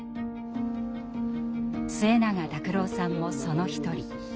末永拓郎さんもその一人。